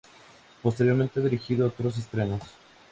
Posteriormente ha dirigido otros estrenos.